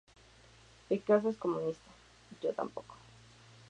Picasso es comunista, yo tampoco".